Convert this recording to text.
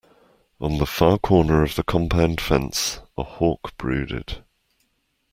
On the far corner of the compound fence a hawk brooded.